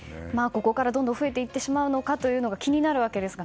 ここからどんどん増えていってしまうのか気になるところですが。